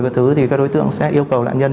với thứ thì các đối tượng sẽ yêu cầu nạn nhân